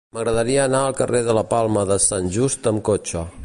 M'agradaria anar al carrer de la Palma de Sant Just amb cotxe.